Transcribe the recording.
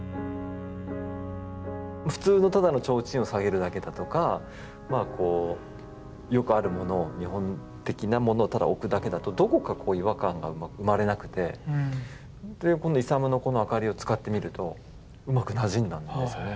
普通のただの提灯を下げるだけだとかよくあるもの日本的なものをただ置くだけだとどこかこう違和感が生まれなくてイサムのあかりを使ってみるとうまくなじんだんですよね。